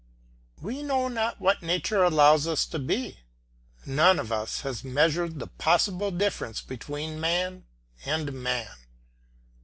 We know not what nature allows us to be, none of us has measured the possible difference between man and man.